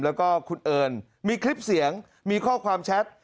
แล้วก็คุณเอิญมีคลิปเสียงมีข้อความแชท